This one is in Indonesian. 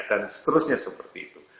dan seterusnya seperti itu